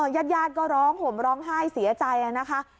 ยาดก็ร้องผมร้องไห้เสียใจนะค่ะ